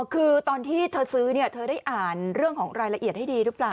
คือตอนที่เธอซื้อเธอได้อ่านเรื่องของรายละเอียดให้ดีหรือเปล่า